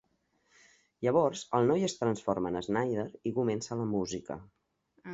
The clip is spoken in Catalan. Llavors, el noi es transforma en Snider i comença la música.